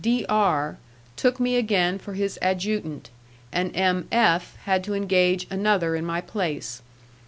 D R took me again for his adjutant, and M. F had to engage another in my place.